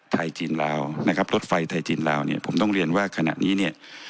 จีนลาวนะครับรถไฟไทยจีนลาวเนี่ยผมต้องเรียนว่าขณะนี้เนี่ย